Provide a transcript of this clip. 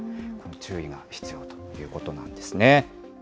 注意が必要ということなんですね。